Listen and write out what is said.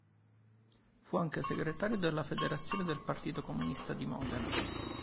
Fu anche Segretario della Federazione del Partito Comunista di Modena.